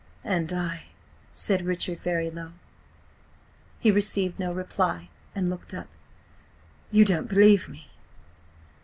"And I," said Richard, very low. He received no reply, and looked up. "You don't believe me?"